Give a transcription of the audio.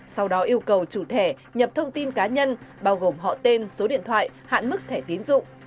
sau đó yêu cầu chủ thẻ nhập thông tin cá nhân bao gồm họ tên số điện thoại hạn mức thẻ tiến dụng